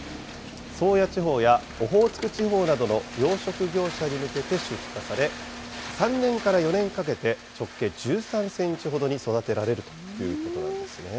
宗谷地方やオホーツク地方などの養殖業者に向けて出荷され、３年から４年かけて、直径１３センチほどに育てられるということなんですね。